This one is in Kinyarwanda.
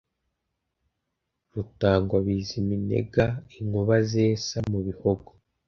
Rutagwabiziminega, Inkuba zesa mu Bihogo,